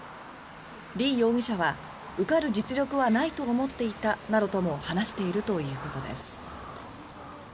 リ容疑者は受かる実力はないと思っていたなどとも話しているということです。